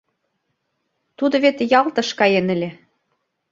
Тудо вет Ялтыш каен ыле.